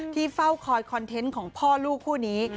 เฝ้าคอยคอนเทนต์ของพ่อลูกคู่นี้